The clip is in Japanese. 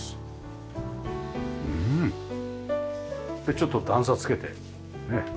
ちょっと段差つけてね